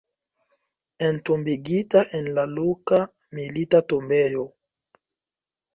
Entombigita en la loka Milita Tombejo.